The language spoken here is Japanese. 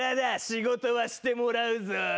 仕事はしてもらうぞ。